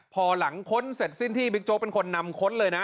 พอหลังค้นเสร็จสิ้นที่บิ๊กโจ๊กเป็นคนนำค้นเลยนะ